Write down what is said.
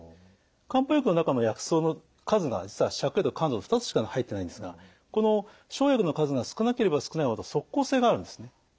漢方薬の中の薬草の数が芍薬と甘草の２つしか入ってないんですがこの生薬の数が少なければ少ないほど即効性があるんですね。